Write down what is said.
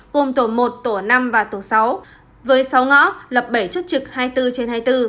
gồm tổ một tổ năm và tổ sáu với sáu ngõ lập bảy chốt trực hai mươi bốn trên hai mươi bốn